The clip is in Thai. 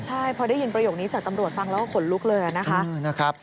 ใช่พอได้ยินประโยคนี้จากตำรวจฟังแล้วก็ขนลุกเลยนะคะ